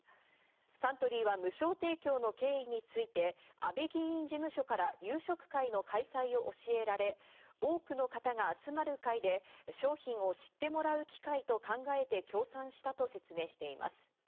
サントリーは無償提供の経緯について、安倍議員事務所から夕食会の開催を教えられ、多くの方が集まる会で商品を知ってもらう機会と考えて協賛したと説明しています。